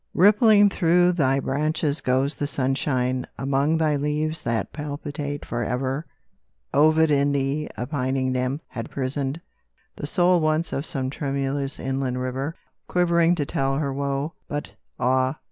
Rippling through thy branches goes the sunshine, Among thy leaves that palpitate forever; Ovid in thee a pining Nymph had prisoned, The soul once of some tremulous inland river, Quivering to tell her woe, but, ah!